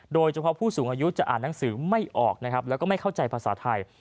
โดยเฉพาะผู้สูงอายุจะอ่านหนังสือไม่ออกนะครับแล้วก็ไม่เข้าใจภาษาไทย